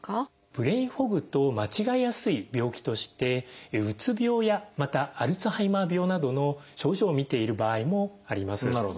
ブレインフォグと間違えやすい病気としてうつ病やまたアルツハイマー病などの症状をみている場合もあります。